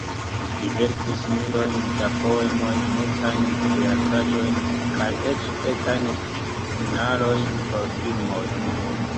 Li verkis milojn da poemoj, multajn teatraĵojn, kaj eĉ kelkajn scenarojn por filmoj.